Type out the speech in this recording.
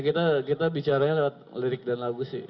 kita bicaranya lewat lirik dan lagu sih